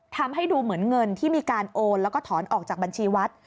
ทำให้ดูเหมือนเงินที่มีการโอนแล้วก็ถอนออกจากบัญชีวัด